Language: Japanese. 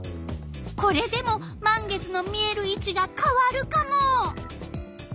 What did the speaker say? これでも満月の見える位置がかわるカモ。